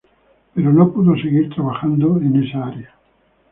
Pero, no pudo seguir trabajando en esa área.